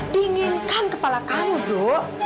dinginkan kepala kamu do